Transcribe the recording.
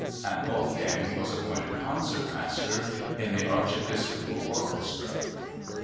And Wolfgang was appointed concertmaster in the archiepiscopal orchestra.